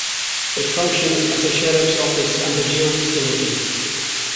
It functions as a Sheriff's office and a jail facility.